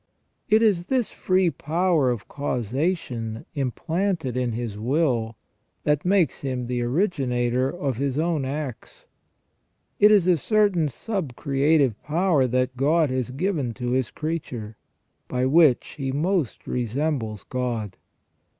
It is this free power of causation implanted in his will that makes him the originator of his own acts ; it is a certain sub creative power that God has given to his creature, by which he most resembles God.